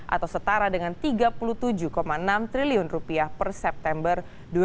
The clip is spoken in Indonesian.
atau setara dengan rp tiga puluh tujuh enam triliun rupiah per september dua ribu dua puluh